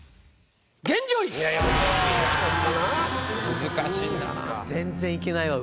難しいな。